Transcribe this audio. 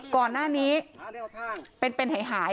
ก่อนหน้านี้หายหาย